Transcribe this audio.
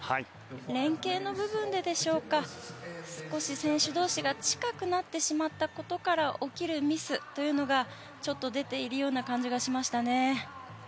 連係の部分ででしょうか少し選手同士が近くなってしまったことから起きるミスというのがちょっと出ているような感じがしましたね。